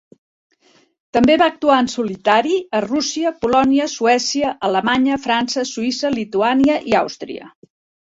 També va actuar en solitari a Rússia, Polònia, Suècia, Alemanya, França, Suïssa, Lituània i Àustria.